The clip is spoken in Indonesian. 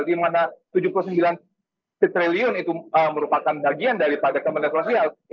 di mana rp tujuh puluh sembilan triliun itu merupakan bagian daripada kementerian sosial